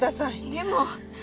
でも。